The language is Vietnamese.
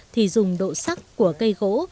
thì dùng độ sắc của cây gỗ